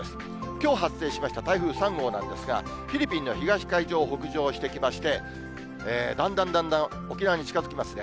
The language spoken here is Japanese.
きょう発生しました台風３号なんですが、フィリピンの東海上を北上してきまして、だんだんだんだん沖縄に近づきますね。